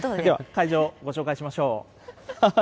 会場、ご紹介しましょう。